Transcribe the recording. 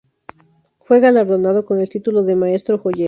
Fue galardonado con el título de Maestro Joyero.